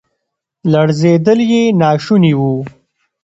لړزیدل یې ناشوني وو.